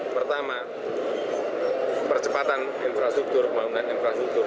pertama percepatan infrastruktur pembangunan infrastruktur